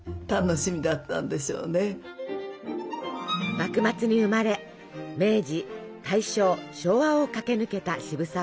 幕末に生まれ明治大正昭和を駆け抜けた渋沢栄一。